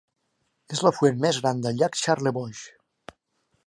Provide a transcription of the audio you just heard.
És l'afluent més gran del llac Charlevoix.